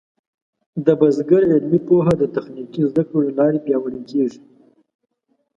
د بزګر علمي پوهه د تخنیکي زده کړو له لارې پیاوړې کېږي.